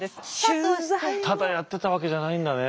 ただやってたわけじゃないんだね！